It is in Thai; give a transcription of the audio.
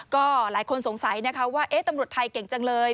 ก็หลายคนสงสัยนะคะว่าตำรวจไทยเก่งจังเลย